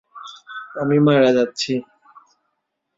আমি মারা যাচ্ছি।